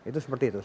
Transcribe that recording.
itu seperti itu